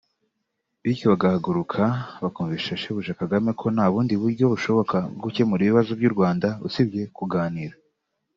bityo bagahaguruka bakumvisha shebuja Kagame ko nta bundi buryo bushoboka bwo gukemura ibibazo by’u Rwanda usibye kuganira